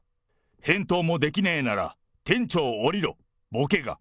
返答もできねーなら店長降りろ、ぼけが！